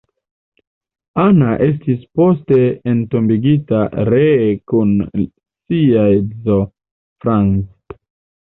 Anna estis poste entombigita ree kun sia edzo Franz.